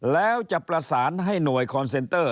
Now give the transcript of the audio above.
แล้วจะประสานให้หน่วยคอนเซนเตอร์